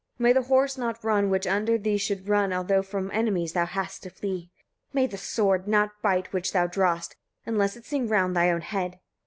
May the horse not run, which under thee should run, although from enemies thou hast to flee! 31. May the sword not bite which thou drawest, unless it sing round thy own head.